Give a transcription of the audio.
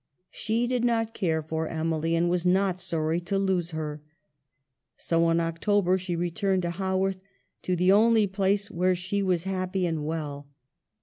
She did not care for Emily, and was not sorry to lose her. So in October she returned to Haworth, to the only place where she was happy and well.